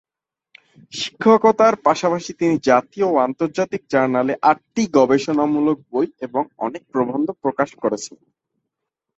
শিক্ষকতার পাশাপাশি তিনি জাতীয় ও আন্তর্জাতিক জার্নালে আটটি গবেষণামূলক বই এবং অনেক প্রবন্ধ প্রকাশ করেছেন।